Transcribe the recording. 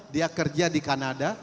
dia kerja di kanada